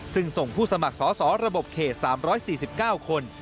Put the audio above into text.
ซึ่งส่งผู้สมัครสอสอระบบเขต๓๔๙คน